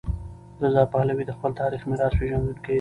رضا پهلوي د خپل تاریخي میراث پیژندونکی دی.